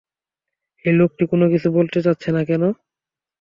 এই লোকটি কোনো কিছু বলতে চাচ্ছে না কেন?